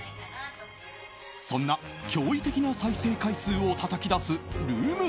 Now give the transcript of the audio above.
そんな驚異的な再生回数をたたき出すルーム